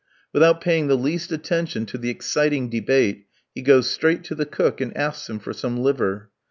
Without paying the least attention to the exciting debate, he goes straight to the cook, and asks him for some liver.